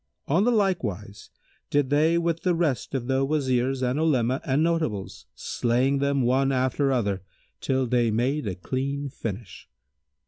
On like wise did they with the rest of the Wazirs and Olema and Notables, slaying them, one after other, till they made a clean finish.